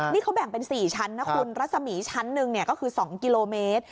นี่เขาแบ่งเป็น๔ชั้นนะคุณรัศมีชั้นหนึ่งก็คือ๒กิโลเมตร